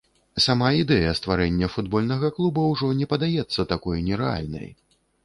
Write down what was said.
Сама ідэя стварэння футбольнага клуба ўжо не падаецца такой нерэальнай.